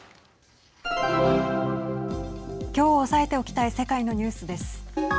きょう押さえておきたい世界のニュースです。